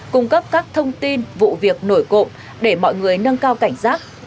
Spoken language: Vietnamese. cung cấp các thông tin vụ việc nổi cộng để mọi người nâng cao cảnh giác